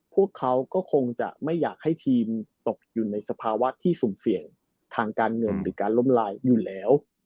พวกเขาก็คงจะไม่อยากให้ทีมตกอยู่ในสภาวะที่สุ่มเสี่ยงทางการเงินหรือการล้มลายอยู่แล้ว